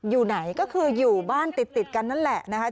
อยู่ไหนก็คืออยู่บ้านติดกันนั่นแหละนะคะ